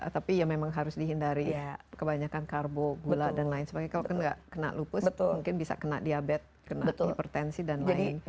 tapi ya memang harus dihindari kebanyakan karbo gula dan lain sebagainya kalau nggak kena lupus mungkin bisa kena diabetes kena hipertensi dan lain